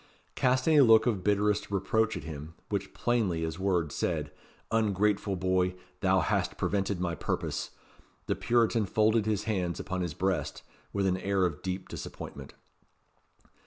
Casting a look of bitterest reproach at him, which plainly as words said "Ungrateful boy, thou hast prevented my purpose," the Puritan folded his hands upon his breast with an air of deep disappointment.